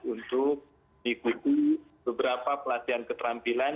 untuk mengikuti beberapa pelatihan keterampilan